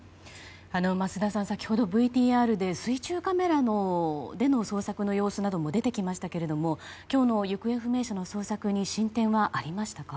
桝田さん、先ほどＶＴＲで水中カメラでの捜索の様子なども出てきましたけれども今日の行方不明者の捜索に進展はありましたか？